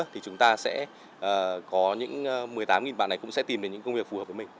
một mươi tám bạn này cũng sẽ tìm được những công việc phù hợp với mình